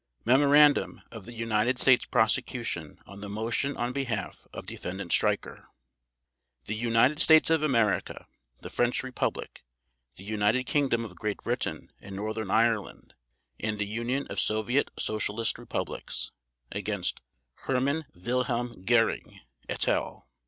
MEMORANDUM OF THE UNITED STATES PROSECUTION ON THE MOTION ON BEHALF OF DEFENDANT STREICHER THE UNITED STATES OF AMERICA, THE FRENCH REPUBLIC, THE UNITED KINGDOM OF GREAT BRITAIN AND NORTHERN IRELAND, and THE UNION OF SOVIET SOCIALIST REPUBLICS — against — HERMANN WILHELM GÖRING, et al.